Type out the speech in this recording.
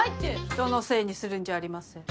人のせいにするんじゃありません。